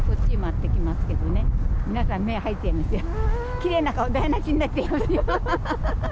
きれいな顔台無しになっちゃいますよ。